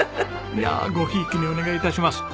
いやごひいきにお願い致します。